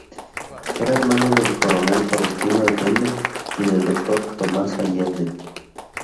Era hermano del coronel Faustino Allende y del doctor Tomás Allende.